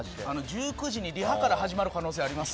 １９時にリハから始まる可能性あります。